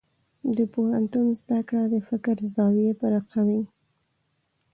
د پوهنتون زده کړه د فکر زاویې پراخوي.